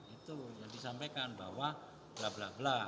itu yang disampaikan bahwa bla bla bla